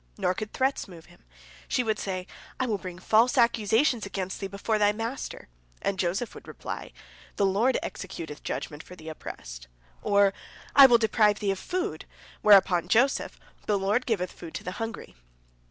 Nor could threats move him. She would say, "I will bring false accusations against thee before thy master," and Joseph would reply, "The Lord executeth judgment for the oppressed." Or, "I will deprive thee of food;" whereupon Joseph, "The Lord giveth food to the hungry."